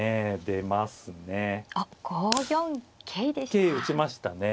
桂打ちましたね。